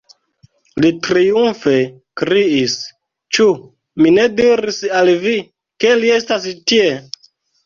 Li triumfe kriis: "Ĉu mi ne diris al vi, ke li estas tie?"